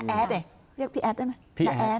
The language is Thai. พี่แอดเรียกพี่แอดได้ไหม